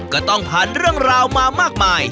ก็ต้องภาระราวมามากมาย